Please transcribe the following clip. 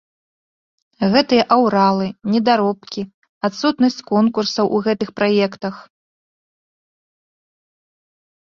Гэтыя аўралы, недаробкі, адсутнасць конкурсаў у гэтых праектах.